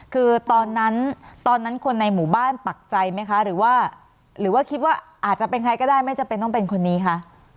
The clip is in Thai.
คือตอนนั้นตอนนั้นคนในหมู่บ้านปักใจไหมคะหรือว่าหรือว่าคิดว่าอาจจะเป็นใครก็ได้ไม่จำเป็นต้องเป็นคนนี้คะ